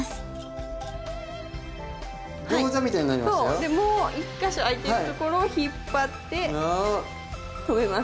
でもう一か所あいてるところを引っ張って留めます。